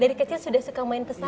dari kecil sudah suka main pesona